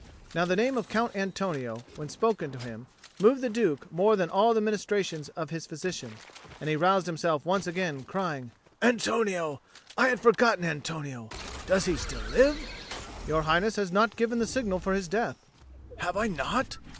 Now the name of Count Antonio, when spoken to him, moved the Duke more than all the ministrations of his physician; he roused himself once again, crying, "Antonio! I had forgotten Antonio. Does he still live?" "Your Highness has not given the signal for his death." "Have I not?